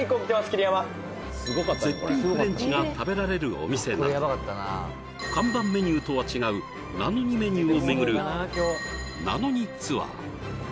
桐山が食べられるお店など看板メニューとは違うなのにメニューを巡るなのにツアー